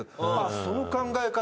その考え方